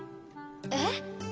えっ？